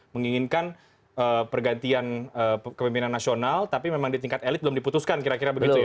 menginginkan pergantian kepemimpinan nasional tapi memang di tingkat elit belum diputuskan kira kira begitu ya